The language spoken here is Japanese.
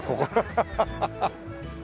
ハハハハッ。